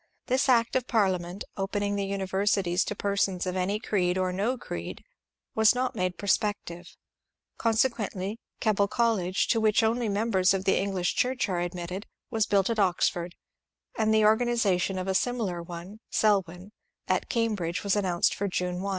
This act of Parliament, opening the universities to persons of any creed or no creed, was not made prospective. Consequently Keble College, to which only members of the English Church are admitted, was built at Oxford, and the organization of a similar one (Selwyn) at Cambridge was announced for June 1.